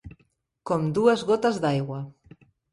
Com dues gotes d'aigua